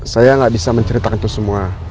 saya nggak bisa menceritakan itu semua